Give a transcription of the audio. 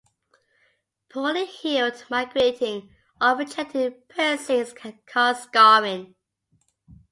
Poorly healed, migrating or rejected piercings can cause scarring.